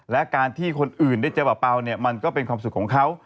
และการที่คนอื่นได้เจอเปล่าเนี่ยมันก็เป็นความสุขของเขา